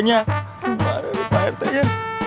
gara gara pak rete ya